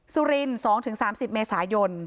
สุรินตั้งแต่๒ถึง๓๐เมษายน